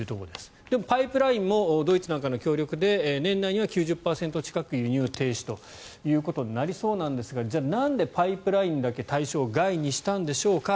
でも、パイプラインもドイツなんかの協力で年内には９０％近く輸入停止となりそうですがじゃあ、なんでパイプラインだけ対象外にしたのでしょうか。